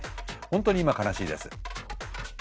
本当に今悲しいです。